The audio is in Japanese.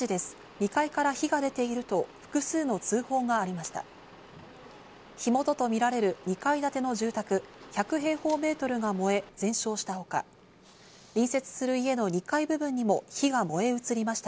２階から火が出ていると複数の通報がありました。